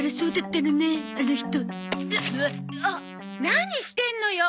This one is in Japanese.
何してんのよ！